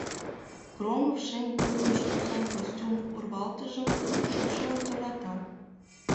Громов шем курныж тӱсан костюм урвалтыжым шупшылын тӧрлата.